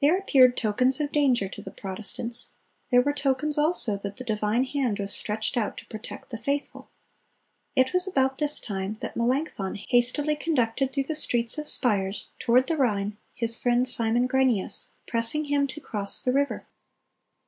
There appeared tokens of danger to the Protestants; there were tokens, also, that the divine hand was stretched out to protect the faithful. It was about this time that "Melanchthon hastily conducted through the streets of Spires toward the Rhine his friend Simon Grynæus, pressing him to cross the river.